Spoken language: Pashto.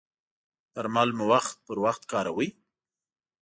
درمل مو وخت پر وخت کاروئ؟